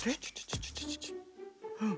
うん。